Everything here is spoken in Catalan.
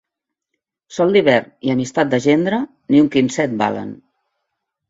Sol d'hivern i amistat de gendre, ni un quinzet valen.